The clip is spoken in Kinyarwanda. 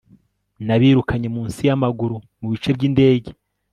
Nabirukanye munsi yamaguru mu bice byindege